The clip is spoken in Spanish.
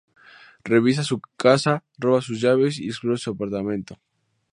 Revisa su casa, roba sus llaves y explora su apartamento.